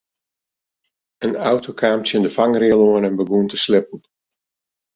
In auto kaam tsjin de fangrail oan en begûn te slippen.